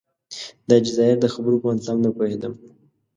د حاجي ظاهر د خبرو په مطلب نه پوهېدم.